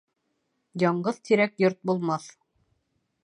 Яңғыҙ тирәк йорт булмаҫ